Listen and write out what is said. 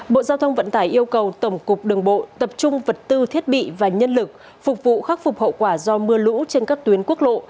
bộ giao thông vận tải yêu cầu tổng cục đường bộ tập trung vật tư thiết bị và nhân lực phục vụ khắc phục hậu quả do mưa lũ trên các tuyến quốc lộ